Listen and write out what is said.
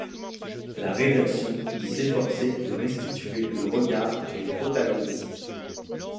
La rédaction dit s'efforcer de restituer le regard des protagonistes.